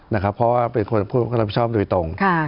เพราะว่าเป็นผู้รับผู้ชอบโดยตรง